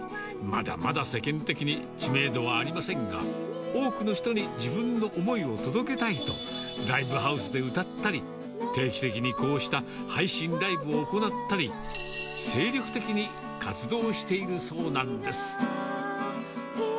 まだまだ世間的に知名度はありませんが、多くの人に自分の思いを届けたいと、ライブハウスで歌ったり、定期的にこうした配信ライブを行ったり、精力的に活動しているそうなんです。